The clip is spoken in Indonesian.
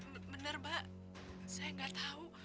benar mbak saya nggak tahu